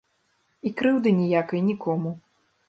І крыўды ніякай нікому.